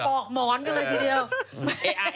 ถ่ายปอกหมอนก็เลยทีเดียว